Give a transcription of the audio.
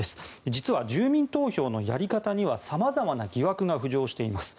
実は住民投票のやり方には様々な疑惑が浮上しています。